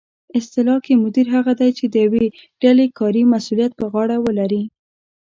اصطلاح کې مدیر هغه دی چې د یوې ډلې کاري مسؤلیت په غاړه ولري